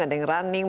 ada yang running